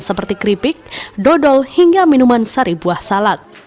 seperti keripik dodol hingga minuman sari buah salak